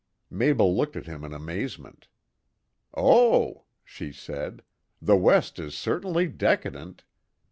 Mabel looked at him in amazement. "Oh!" she said, "the West is certainly decadent.